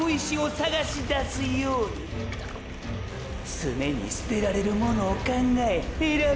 常に捨てられるものを考え選び